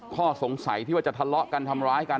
ข้อสงสัยที่ว่าจะทะเลาะกันทำร้ายกัน